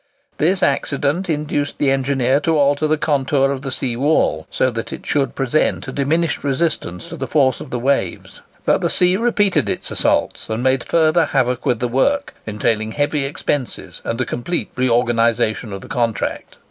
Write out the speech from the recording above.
This accident induced the engineer to alter the contour of the sea wall, so that it should present a diminished resistance to the force of the waves. But the sea repeated its assaults, and made further havoc with the work; entailing heavy expenses and a complete reorganisation of the contract.